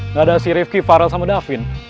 nggak ada si rivki farel sama davin